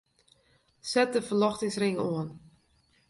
Set de ferljochtingsring oan.